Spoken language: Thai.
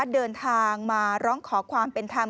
เดินทางมาร้องขอความเป็นธรรม